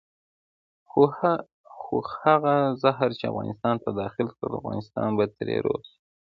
خو هغه زهر چې افغانستان ته داخل کړل افغانستان به ترې روغ شي.